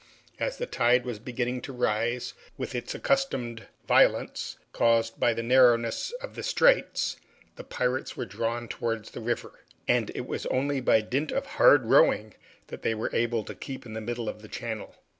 As the tide was beginning to rise with its accustomed violence, caused by the narrowness of the straits, the pirates were drawn towards the river, and it was only by dint of hard rowing that they were able to keep in the middle of the channel.